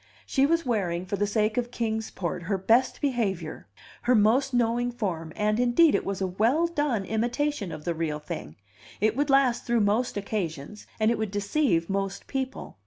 She was wearing, for the sake of Kings Port, her best behavior, her most knowing form, and, indeed it was a well done imitation of the real thing; it would last through most occasions, and it would deceive most people.